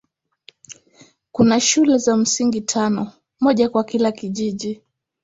Kuna shule za msingi tano, moja kwa kila kijiji.